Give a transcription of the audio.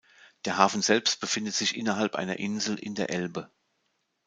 Der Hafen selbst befindet sich innerhalb einer Insel in der Elbe.